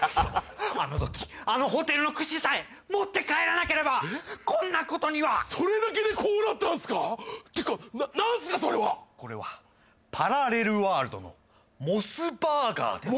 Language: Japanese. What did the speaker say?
あの時あのホテルのクシさえ持って帰らなければこんなことにはそれだけでこうなったんすかていうかなんすかそれはこれはパラレルワールドのモスバーガーです